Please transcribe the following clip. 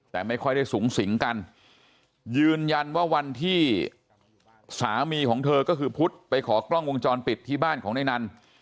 แต่ไม่ค่อยได้สูงสิงกันยืนยันว่าวันที่สามีของเธอก็คือพุทธไปขอกล้องวงจรปิดที่บ้านของนายนัน